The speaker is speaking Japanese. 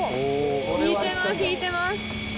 引いてます引いてます。